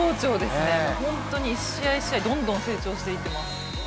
本当に１試合１試合どんどん成長していってます。